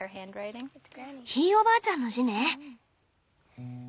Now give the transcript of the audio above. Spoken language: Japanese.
ひいおばあちゃんの字ね。